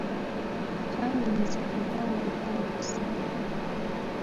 Twanyumizza ebbanga ddene ku ssimu.